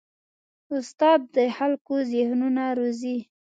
استاد د خلکو ذهنونه روزي.